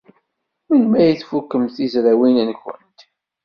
Melmi ay tfukemt tizrawin-nwent?